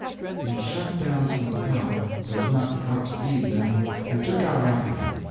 We shut down some of the power, so as not to outspeed them, and took out after them.